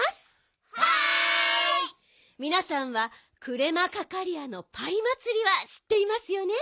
みなさんはクレマカカリアのパイまつりはしっていますよね？